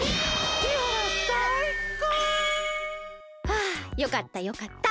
はあよかったよかった。